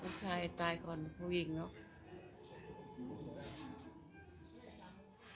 ผู้ชายตายก่อนผู้หญิงเนอะ